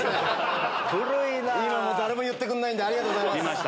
今誰も言ってくれないんでありがとうございます。